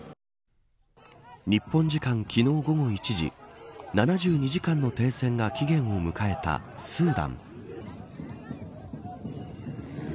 日本時間、昨日午後１時７２時間の停戦が期限を迎えたスーダン。